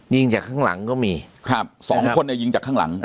ยิงจากข้างหลังก็มีครับสองคนเนี่ยยิงจากข้างหลัง